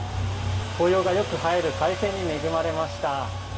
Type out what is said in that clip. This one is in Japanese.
紅葉が良く映える快晴に恵まれました。